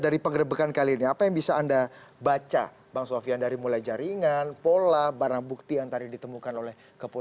dari pengerebekan kali ini apa yang bisa anda baca bang sofian dari mulai jaringan pola barang bukti yang